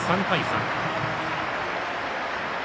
３対３。